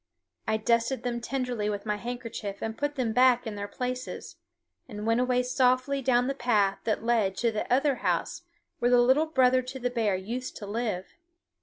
I dusted them tenderly with my handkerchief and put them back in their places, and went away softly down the path that led to the other house where the Little Brother to the Bear used to live.